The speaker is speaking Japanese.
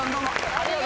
ありがとう。